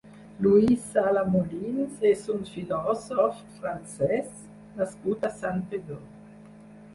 Louis Sala-Molins és un filòsof francès nascut a Santpedor.